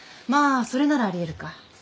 まあそれならあり得るか。